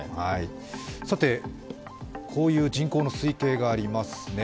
さて、こういう人口の推計がありますね。